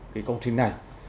cái công trình này